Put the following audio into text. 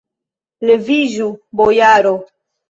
Leviĝu, bojaro!